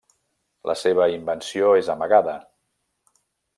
La seva invenció és amagada.